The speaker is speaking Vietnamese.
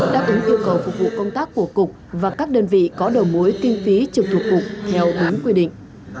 đáp ứng yêu cầu phục vụ công tác của cục và các đơn vị có đầu mối kinh phí trực thuộc cục theo đúng quy định